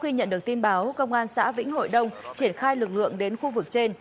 khi nhận được tin báo công an xã vĩnh hội đông triển khai lực lượng đến khu vực trên